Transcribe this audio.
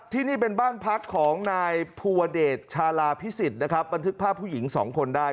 ที่นี่เป็นบ้านพักของนายภูวเดชชาลาพิสิทธิ์นะครับบันทึกภาพผู้หญิงสองคนได้